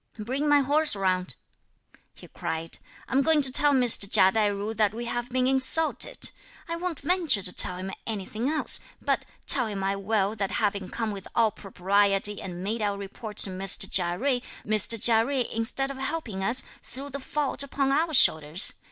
"Bring my horse round," he cried; "I'm going to tell Mr. Chia Tai ju that we have been insulted. I won't venture to tell him anything else, but (tell him I will) that having come with all propriety and made our report to Mr. Chia Jui, Mr. Chia Jui instead (of helping us) threw the fault upon our shoulders.